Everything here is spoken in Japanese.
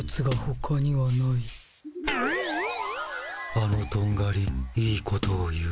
あのとんがりいいことを言う。